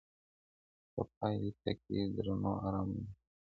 په پلي تګ کې د نورو ارامي نه خرابېږي.